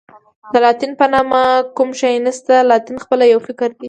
د لاتین په نامه کوم شی نشته، لاتین خپله یو فکر دی.